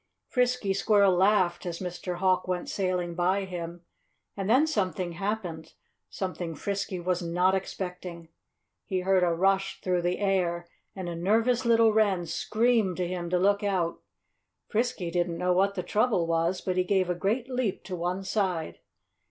Frisky Squirrel laughed as Mr. Hawk went sailing by him. And then something happened something Frisky was not expecting. He heard a rush through the air, and a nervous little wren screamed to him to look out. Frisky didn't know what the trouble was; but he gave a great leap to one side.